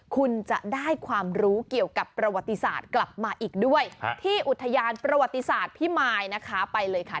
คุณจะได้ความรู้เกี่ยวกับประวัติศาสตร์กลับมาอีกด้วยที่อุทยานประวัติศาสตร์พิมายนะคะไปเลยค่ะ